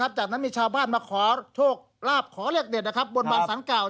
หลังจากนั้นมีชาวบ้านมาโชคราบขอเรียกเน็ตบรบศาลเก่า